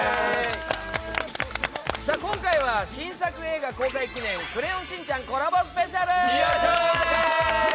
今回は新作映画公開記念「クレヨンしんちゃん」コラボスペシャル！